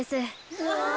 うわ！